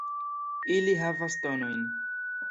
Ili havas tonojn.